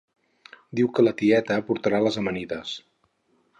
Diu que la tieta portarà les amanides